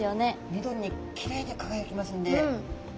緑にきれいにかがやきますんで。